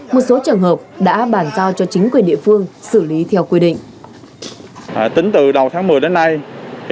một số trường hợp đã bàn giao cho chính quyền địa phương xử lý theo quy định